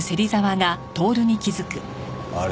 あれ？